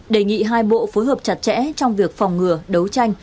đề nghị hai bộ phối hợp chặt chẽ trong việc phòng ngừa đấu tranh